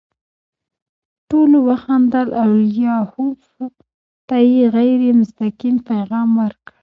ټولو وخندل او لیاخوف ته یې غیر مستقیم پیغام ورکړ